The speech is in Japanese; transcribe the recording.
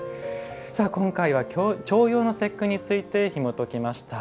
今回は、重陽の節句についてひもときました。